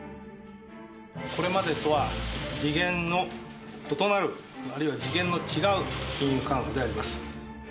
これまでとは次元の異なる、あるいは次元の違う金融緩和であります。